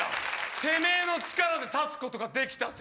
てめぇの力で立つことができたぜ。